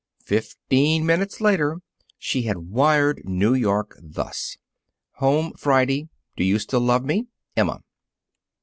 Fifteen minutes later, she had wired New York thus: Home Friday. Do you still love me? EMMA.